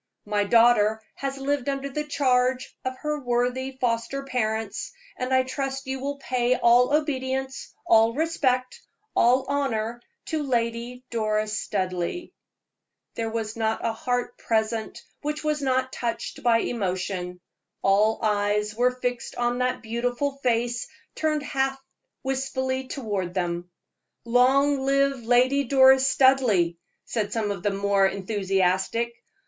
My daughter has lived under the charge of her worthy foster parents, and I trust you will pay all obedience, all respect, all honor to Lady Doris Studleigh." There was not a heart present which was not touched by emotion. All eyes were fixed on that beautiful face turned half wistfully toward them. "Long live Lady Doris Studleigh!" said some of the more enthusiastic.